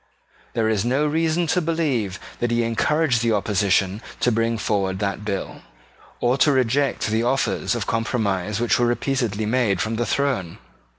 There is no reason to believe that he encouraged the opposition to bring forward that bill or to reject the offers of compromise which were repeatedly made from the throne.